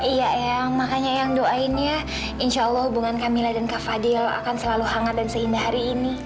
iya eyang makanya eyang doain ya insya allah hubungan kamilah dan kak fadil akan selalu hangat dan seindah hari ini